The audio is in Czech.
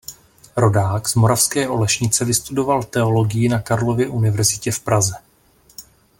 Rodák z moravské Olešnice vystudoval teologii na Karlově univerzitě v Praze.